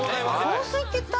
防水って言った？